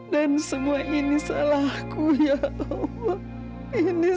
dan semua ini salahku ya allah